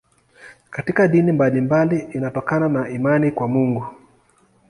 Katika dini mbalimbali inatokana na imani kwa Mungu.